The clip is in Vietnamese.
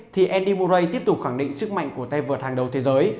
thì andy murray tiếp tục khẳng định sức mạnh của tay vượt hàng đầu thế giới